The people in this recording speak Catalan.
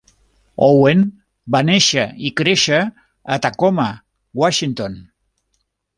Owen va néixer i créixer a Tacoma, Washington.